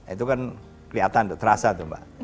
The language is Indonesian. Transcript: itu kan kelihatan terasa tuh mbak